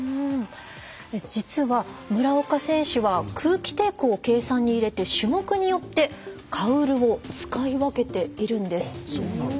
実は、村岡選手は空気抵抗を計算に入れて種目によって、カウルを使い分けているんです。